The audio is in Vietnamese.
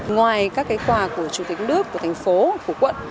ngoài các quà của chủ tịch nước của thành phố của quận